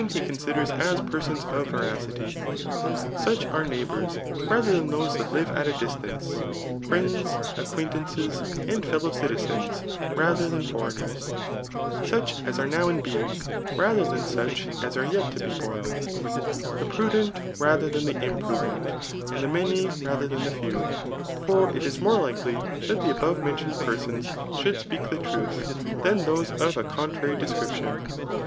he eonsiders as persons of veracity. Such are neighbours tisAer dian those that live at a dbtance ; friends, acqudiftt^ aUct^ and fellow citistens, l*ather thai foreigners ; sueti is iu e now in bmig, leather than such as afe yet td te V>Mi ) the pnidetit raAer than the hnpriKfent ; and ihi DUUy rather th» the few. tor it is more likely ihat die above mentioned persons ^ould speak the trtidi, dtan those of a contrary description.